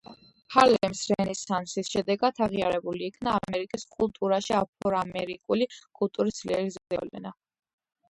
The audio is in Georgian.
ჰარლემის რენესანსის შედეგად აღიარებულ იქნა ამერიკის კულტურაში აფროამერიკული კულტურის ძლიერი ზეგავლენა.